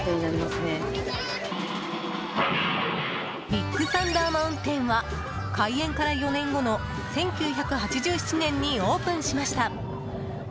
ビッグサンダー・マウンテンは開園から４年後の１９８７年にオープンしました。